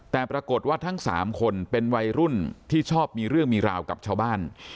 แต่ปรากฏว่าทั้ง๓คนเป็นวัยรุ่นที่ชอบมีเรื่องมีราวกับชาวบ้าน